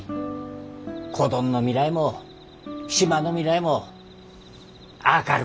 子供の未来も島の未来も明るくなるけんね。